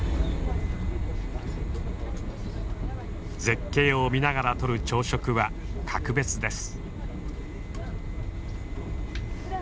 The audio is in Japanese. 絶景を見ながらとる朝食は格別です。